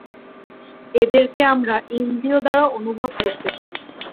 এদেরকে আমরা ইন্দ্রিয় দ্বারা অনুভব করতে পারি।